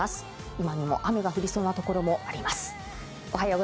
今にも雨が降りそうなところもあります。